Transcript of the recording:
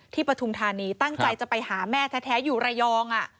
ปฐุมธานีตั้งใจจะไปหาแม่แท้อยู่ระยอง